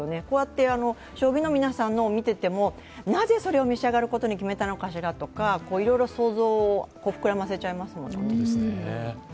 こうやって将棋の皆さんのを見てても、なぜそれを召し上がることに決めたのかしらといろいろ想像を膨らませちゃいますものね。